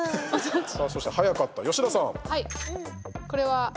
そして早かった、吉田さん。